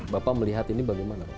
bapak melihat ini bagaimana